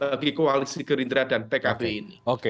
bagi koalisi gerindra dan pkb ini